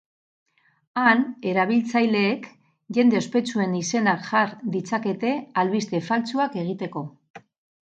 Han, erabiltzaileek jende ospetsuen izenak jar ditzakete albiste faltsuak egiteko.